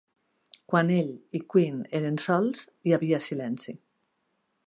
Quan ell i Quinn eren sols, hi havia silenci.